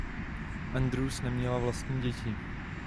Andrews neměla vlastní děti.